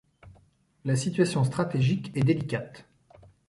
La situation stratégique est délicate.